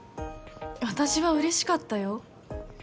私は嬉しかったよ